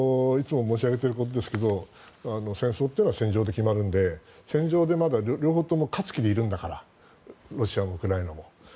いつも申し上げていることですが戦争というのは戦場で決まるので戦場で両方とも勝つ気でいるんだからロシアもウクライナも。